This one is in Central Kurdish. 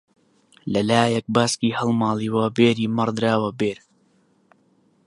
لەلایەک باسکی هەڵماڵیوە بێری مەڕ دراوە بێر